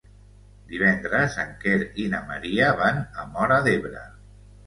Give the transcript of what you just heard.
Divendres en Quer i na Maria van a Móra d'Ebre.